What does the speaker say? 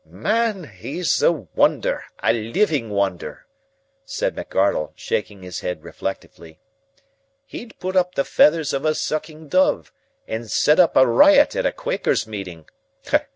"Man, he's a wonder a living wonder!" said McArdle, shaking his head reflectively. "He'd put up the feathers of a sucking dove and set up a riot in a Quakers' meeting.